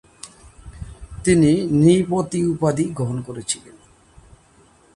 তিনি "নৃপতি" উপাধি গ্রহণ করেছিলেন।